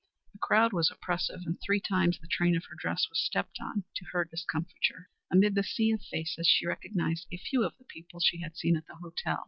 The crowd was oppressive, and three times the train of her dress was stepped on to her discomfiture. Amid the sea of faces she recognized a few of the people she had seen at the hotel.